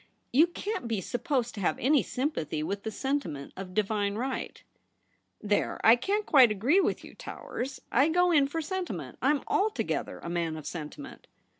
You can't be supposed to have any sympathy with the sentiment of divine right.' ' There I can't quite agree with you. Towers. I go in for sentiment ; I am alto gether a man of sentiment.'